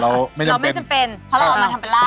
เพราะเราเอามาทำเป็นราบ